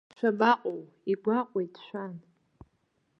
Шәабаҟоу, игәаҟуеит шәан!